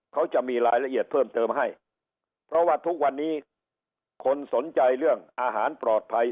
เขาจะมีรายละเอียดเพิ่มเติมให้เพราะว่าทุกวันนี้คนสนใจเรื่องอาหารปลอดภัย